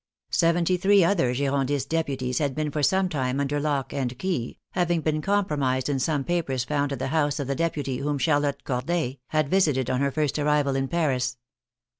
Seventy three other Girondist deputies had been for some time under lock and key, having been compromised in some papers found at the house of a deputy whom Charlotte Corday had visited on her first arrival in Paris.